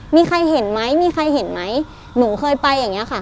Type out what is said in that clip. มีใครเห็นไหมมีใครเห็นไหมหนูเคยไปอย่างเงี้ค่ะ